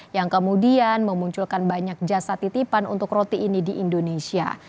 yang kemudian memunculkan banyak jasa titipan untuk roti ini di indonesia